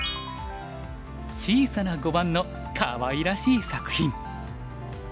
小さな碁盤のかわいらしい作品。